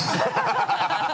ハハハ